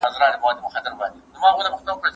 که واوره کمه وای، پاڼه به نه غورځېده.